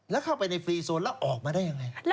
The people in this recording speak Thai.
แล้วเข้าไปในฟรีโซนแล้วออกมาได้ยังไง